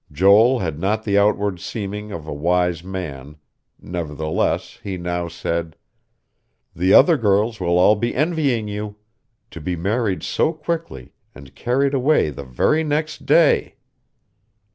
Joel had not the outward seeming of a wise man; nevertheless he now said: "The other girls will all be envying you. To be married so quickly, and carried away the very next day...."